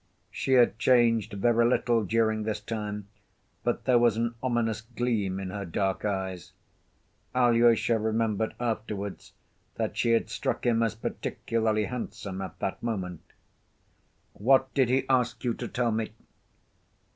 She had changed very little during this time, but there was an ominous gleam in her dark eyes. Alyosha remembered afterwards that she had struck him as particularly handsome at that moment. "What did he ask you to tell me?"